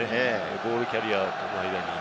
ボールキャリアーの間に。